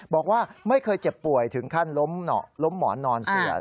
บอกว่าไม่เคยเจ็บป่วยถึงขั้นล้มหมอนนอนเสีย